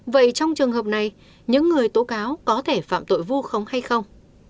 vậy trong trường hợp này những người tố cáo có thể phạm tội vu khống hay không